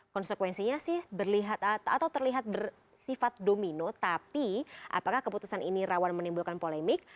konsekuensinya sih terlihat atau terlihat bersifat domino tapi apakah keputusan ini rawan menimbulkan polemik